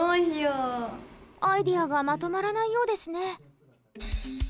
アイデアがまとまらないようですね。